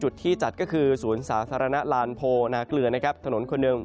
จุดที่จัดก็คือศูนย์สาธารณลานพลนาเกลียถนนคนนึง